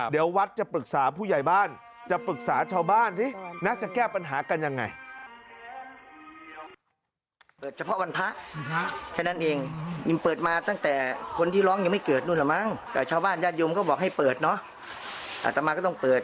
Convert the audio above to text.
เดี๋ยววัดจะปรึกษาผู้ใหญ่บ้านจะปรึกษาชาวบ้านสินะจะแก้ปัญหากันยังไง